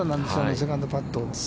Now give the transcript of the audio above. セカンドパット。